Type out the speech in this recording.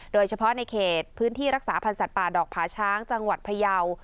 โดยเฉพาะในเขตพื้นที่รักษาพันธ์สัตว์ป่าดอกผาช้างจังหวัดพยาว